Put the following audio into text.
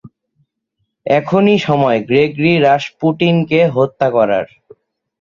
এখনই সময় গ্রেগরি রাসপুটিনকে হত্যা করার।